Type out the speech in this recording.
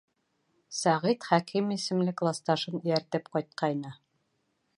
Сәғит Хәким исемле класташын эйәртеп ҡайтҡайны.